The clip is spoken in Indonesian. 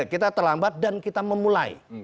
kita terlambat dan kita memulai